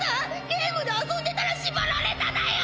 ゲームで遊んでたらしばられただよ！」。